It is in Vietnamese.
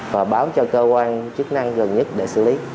và báo cho cơ quan chức năng gần nhất để xử lý